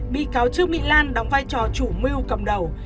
bị cáo trương mỹ lan đóng vai trò chủ mưu cầm đầu